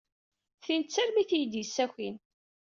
Tin d tarmit ay iyi-d-yessakin.